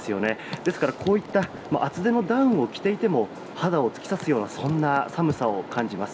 ですからこういった厚手のダウンを着ていても肌を突き刺すようなそんな寒さを感じます。